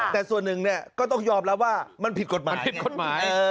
แต่ส่วนหนึ่งก็ต้องยอมรับว่ามันผิดกฎหมาย